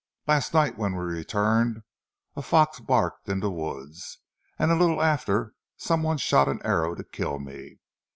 "Last night when we returned a fox barked in the wood, and a little after some one shot an arrow to kill me.